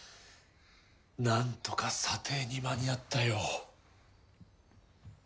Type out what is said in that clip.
なんとか査定に間に合ったよ